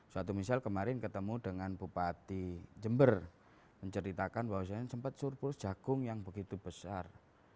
suatu misal kemarin ketemu dengan bupati jember menceritakan bahwa sempat surplus jagung yang begitu besar